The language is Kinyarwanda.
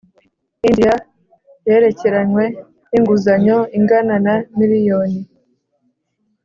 India yerekeranywe n inguzanyo ingana na miliyoni